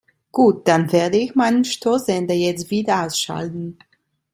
Gut, dann werde ich meinen Störsender jetzt wieder ausschalten.